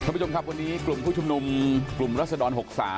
คุณผู้ชมครับวันนี้กลุ่มผู้ชุมนุมกลุ่มรัศดร๖๓